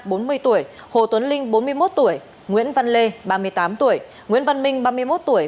phạm thanh sang bốn mươi tuổi hồ tuấn linh bốn mươi một tuổi nguyễn văn lê ba mươi tám tuổi nguyễn văn minh ba mươi một tuổi